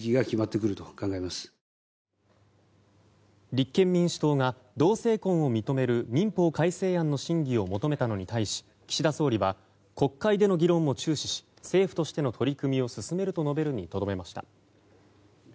立憲民主党が同性婚を認める民法改正案の審議を求めたのに対し岸田総理は国会での議論も注視し政府としての取り組みを進めると述べるにとどめました。